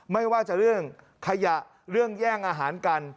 ไม่ว่าจะเรื่องขยะเรื่องแย่งอาหารกัน